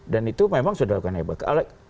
dan itu memang sudah dilakukan hebat